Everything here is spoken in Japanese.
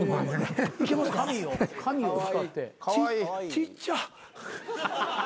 ちっちゃ。